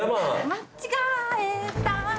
間違えた。